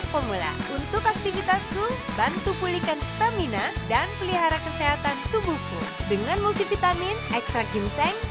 cetan yang panjang